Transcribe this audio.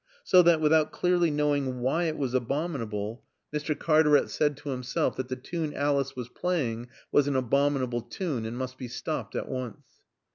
So that, without clearly knowing why it was abominable, Mr. Cartaret said to himself that the tune Alice was playing was an abominable tune and must be stopped at once.